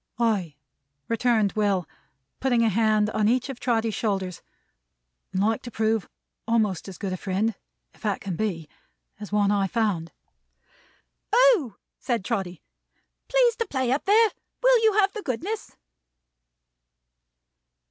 "Ay," returned Will, putting a hand on each of Trotty's shoulders. "And like to prove a'most as good a friend, if that can be, as one I found." "O!" said Trotty. "Please to play up there. Will you have the goodness?"